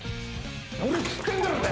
乗れっつってんだろうが！